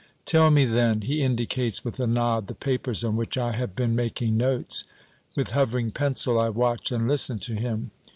"Tell me, then" he indicates with a nod the papers on which I have been making notes. With hovering pencil I watch and listen to him.